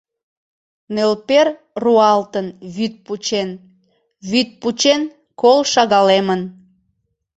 «Нӧлпер руалтын — вӱд пучен, вӱд пучен — кол шагалемын.